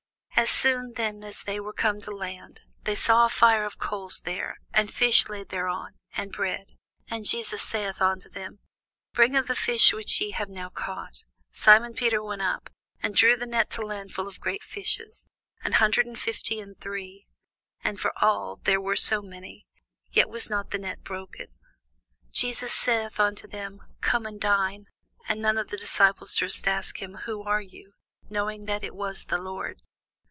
As soon then as they were come to land, they saw a fire of coals there, and fish laid thereon, and bread. Jesus saith unto them, Bring of the fish which ye have now caught. Simon Peter went up, and drew the net to land full of great fishes, an hundred and fifty and three: and for all there were so many, yet was not the net broken. Jesus saith unto them, Come and dine. And none of the disciples durst ask him, Who art thou? knowing that it was the Lord.